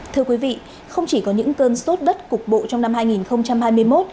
thưa quý vị không chỉ có những cơn sốt đất cục bộ trong năm hai nghìn hai mươi một